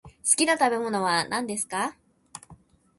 好きな食べ物は何ですか？